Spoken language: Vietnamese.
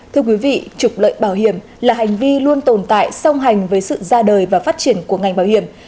thưa quý vị trục lợi bảo hiểm là hành vi luôn tồn tại song hành với sự ra đời và phát triển của ngành bảo hiểm